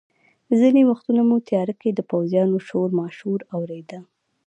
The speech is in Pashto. ځینې وختونه مو په تیاره کې د پوځیانو شورماشور اورېده.